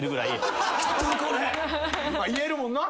言えるもんな。